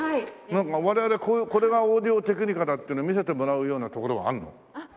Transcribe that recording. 我々これがオーディオテクニカだっていうのを見せてもらうような所はあるの？